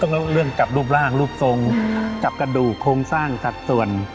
แล้วเรื่องจับรูปร่างรูปทรงจับกระดูกโครงสร้างสัดส่วน